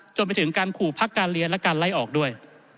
จนไปถึงการขู่พักการเรียนและการไล่ออกด้วย